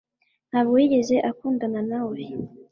Ntabwo yigeze akundana nawe